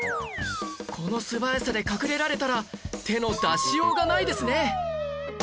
この素早さで隠れられたら手の出しようがないですね